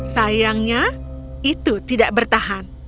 sayangnya itu tidak bertahan